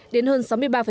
đến hơn sáu mươi ba